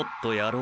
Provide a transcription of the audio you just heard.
う！！